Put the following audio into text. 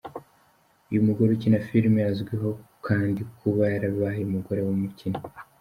Uyu mugore ukina filimi azwiho kandi kuba yarabaye umugore wumukinnyi.